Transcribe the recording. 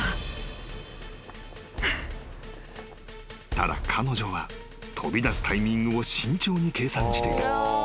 ［ただ彼女は飛び出すタイミングを慎重に計算していた］